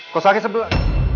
kau sakit sebelah